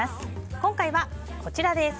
今回はこちらです。